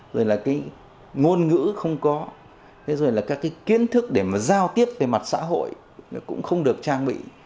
rồi là cái ngôn ngữ không có thế rồi là các cái kiến thức để mà giao tiếp về mặt xã hội cũng không được trang bị